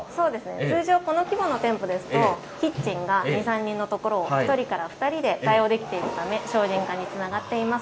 通常、この規模の店舗ですと、キッチンが２、３人のところを、１人から２人で対応できているため、小人化につながっています。